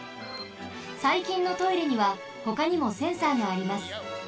さいきんのトイレにはほかにもセンサーがあります。